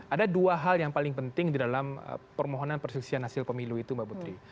ada dua hal yang paling penting di dalam permohonan perselisihan hasil pemilu itu mbak putri